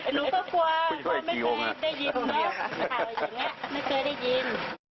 หนูก็กลัวไม่เคยได้ยินนะข่าวอย่างนี้ไม่เคยได้ยิน